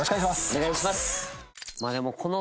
お願いします。